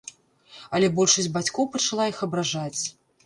Але большасць бацькоў пачала іх абражаць.